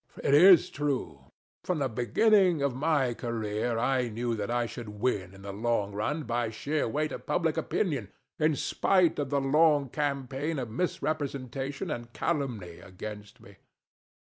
THE DEVIL. It is true. From the beginning of my career I knew that I should win in the long run by sheer weight of public opinion, in spite of the long campaign of misrepresentation and calumny against me.